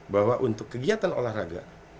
bahwa untuk kegiatan olahraga